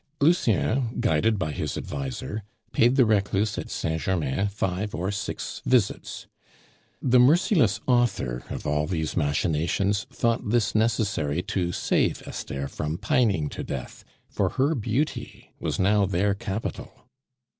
Lucien, guided by his adviser, paid the recluse at Saint Germain five or six visits. The merciless author of all these machinations thought this necessary to save Esther from pining to death, for her beauty was now their capital.